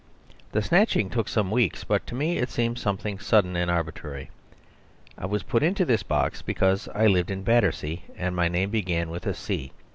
The snatching took some weeks, but to me it seemed something sudden and arbitrary. I was put into this box because I lived in Battersea, and my name began with a C.